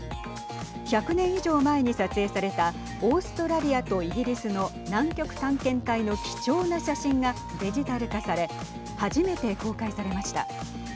１００年以上前に撮影されたオーストラリアとイギリスの南極探検隊の貴重な写真がデジタル化され初めて公開されました。